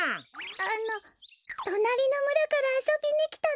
あのとなりのむらからあそびにきたの。